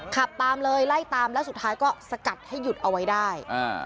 ขับตามเลยไล่ตามแล้วสุดท้ายก็สกัดให้หยุดเอาไว้ได้